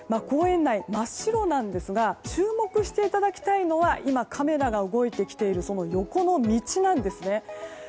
公園内、真っ白なんですが注目していただきたいのは今、カメラが動いてきている横の道なんですね。